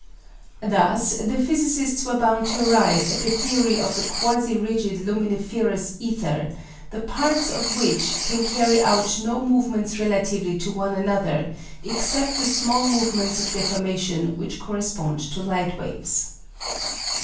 Thus the physicists were bound to arrive at the theory of the "quasi rigid" luminiferous ether, the parts of which can carry out no movements relatively to one another except the small movements of deformation which correspond to light waves.